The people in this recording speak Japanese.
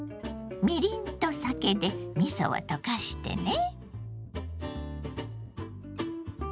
みりんと酒でみそを溶かしてね。